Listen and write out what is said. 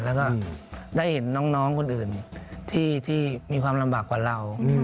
แล้วก็ได้เห็นน้องคนอื่นที่มีความลำบากกว่าเรา